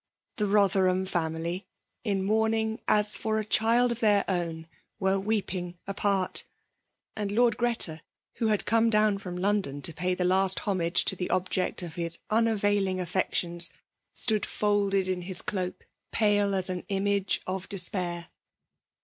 The lU>therham &mily, in mourning as for a child of their own, were weeping apart; and Lord €h:eta, who had tome down firom London to pay the last homage to the object of his unavailing affec tions, stood folded in his doak, pale as an image of despair.